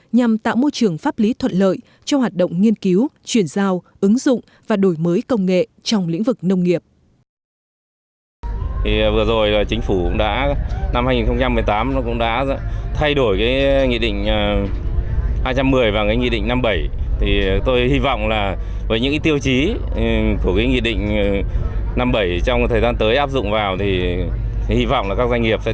nhằm tạo môi trường pháp lý thuận lợi cho hoạt động nghiên cứu chuyển giao ứng dụng và đổi mới công nghệ trong lĩnh vực nông nghiệp